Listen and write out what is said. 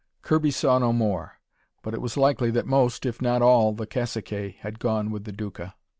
Kirby saw no more. But it was likely that most, if not all, of the caciques had gone with the Duca.